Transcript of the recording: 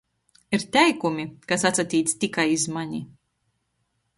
Ir teikumi, kas atsatīc tikai iz mani.